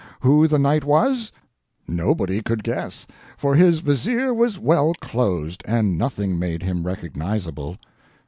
Who the Knight was? Nobody could guess, for his Vizier was well closed, and nothing made him recognizable.